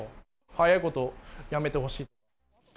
早いことやめてほしい。